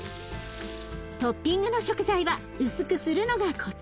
トッピングの食材は薄くするのがコツ。